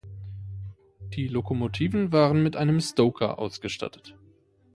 Die Lokomotiven waren mit einem Stoker ausgestattet.